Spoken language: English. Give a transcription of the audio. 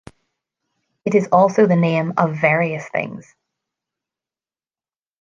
It is also the name of various things.